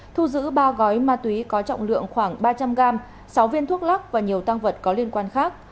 thu giữ ba gói ma túy có trọng lượng khoảng ba trăm linh gram sáu viên thuốc lắc và nhiều tăng vật có liên quan khác